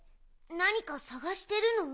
なにかさがしてるの？